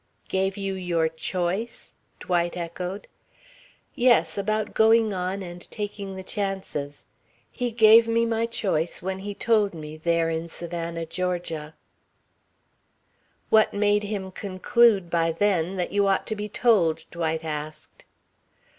"Gave you your choice?" Dwight echoed. "Yes. About going on and taking the chances. He gave me my choice when he told me, there in Savannah, Georgia." "What made him conclude, by then, that you ought to be told?" Dwight asked.